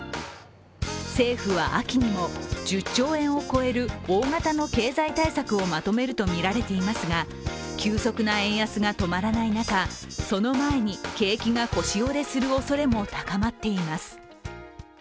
政府は秋にも１０兆円を超える大型の経済対策をまとめるとみられていますが急速な円安が止まらない中その前に景気が腰折れするおそれも高まっています。